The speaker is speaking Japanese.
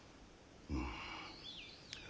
うん。